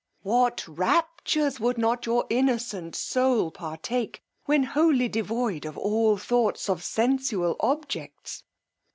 what raptures would not your innocent soul partake, when wholly devoid of all thought of sensual objects!